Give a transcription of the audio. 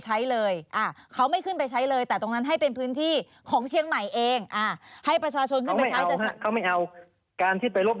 ไม่อย่าถามเผื่อไปเองว่าเชียงใหม่พร้อมครับแล้วครับ